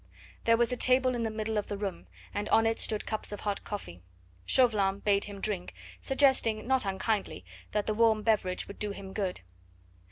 There was a table in the middle of the room, and on it stood cups of hot coffee. Chauvelin bade him drink, suggesting, not unkindly, that the warm beverage would do him good.